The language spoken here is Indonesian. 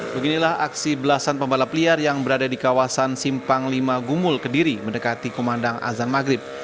beginilah aksi belasan pembalap liar yang berada di kawasan simpang lima gumul kediri mendekati kumandang azan maghrib